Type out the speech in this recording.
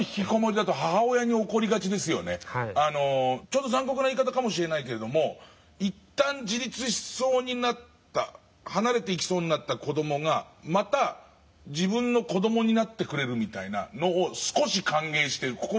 ちょっと残酷な言い方かもしれないけど一旦自立しそうになった離れていきそうになった子供がまた自分の子供になってくれるみたいなのを心のどこかで少し歓迎してる。